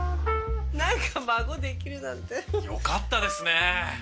なんか孫できるなんて。よかったですね。